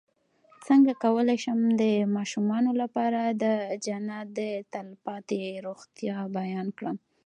څنګه کولی شم د ماشومانو لپاره د جنت د تل پاتې روغتیا بیان کړم